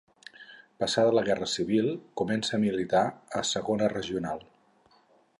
Passada la Guerra Civil, comença a militar a Segona Regional.